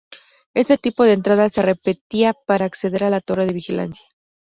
Este tipo de entrada se repetía para acceder a la torre de vigilancia.